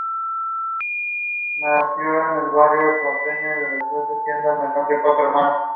Alain Rey es un observador de la evolución de la lengua francesa.